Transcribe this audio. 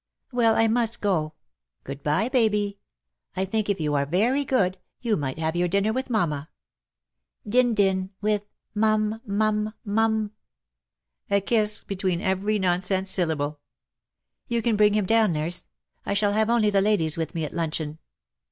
'^ Well, I must go. Good by, Baby. I think, if you are very good, you might have your dinner with mamma. Din din — with — mum — mum — mum" — a kiss between every nonsense syllable. " You can bring him down, nurse. I shall have only the ladies with me at luncheon."